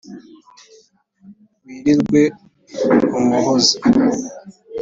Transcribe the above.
wirirwe mu muhozi,